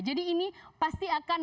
jadi ini pasti akan menyebabkan